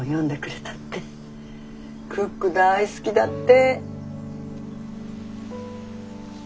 クック大好きだって。